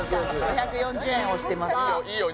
５４０円を推してますいいよ